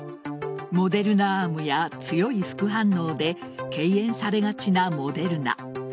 モデルナアームや強い副反応で敬遠されがちなモデルナ。